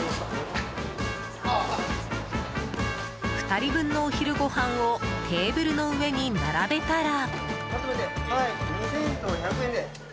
２人分のお昼ごはんをテーブルの上に並べたら。